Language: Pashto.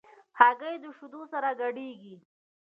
هګۍ د شیدو سره ګډېږي.